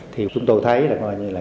thì chúng tôi thấy là